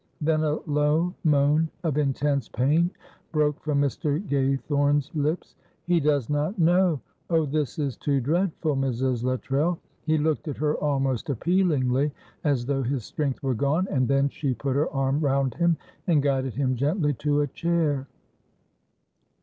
Then a low moan of intense pain broke from Mr. Gaythorne's lips. "He does not know. Oh, this is too dreadful, Mrs. Luttrell!" He looked at her almost appealingly, as though his strength were gone, and then she put her arm round him and guided him gently to a chair.